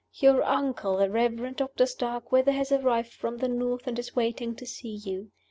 "Your uncle, the Reverend Doctor Starkweather, has arrived from the North, and is waiting to see you.